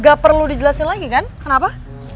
gak perlu dijelasin lagi kan kenapa